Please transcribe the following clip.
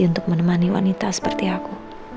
untuk menemani wanita seperti aku